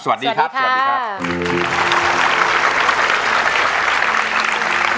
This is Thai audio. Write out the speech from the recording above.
สวัสดีครับสวัสดีครับ